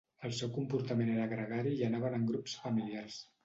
El seu comportament era gregari i anaven en grups familiars.